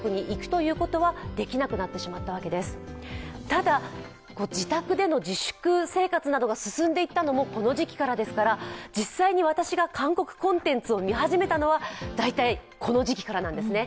ただ、自宅での自粛生活などが進んでいったのもこの時期ですから、実際に私が韓国コンテンツをみ始めたのは大体この時期からなんですね。